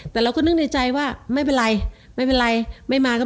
แต่เราก็นึกในใจว่าไม่เป็นไรไม่เป็นไรไม่มาก็